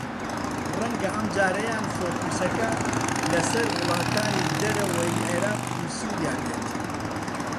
رەنگە ئەمجارەیان فۆکووسەکە لەسەر وڵاتانی دەرەوەی عێراق و سووریا بێت